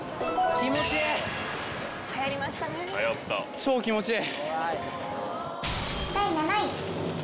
超気持ちいい！